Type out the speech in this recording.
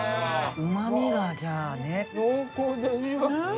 うまみがじゃあね。